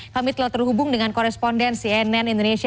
kami telah terhubung dengan koresponden cnn indonesia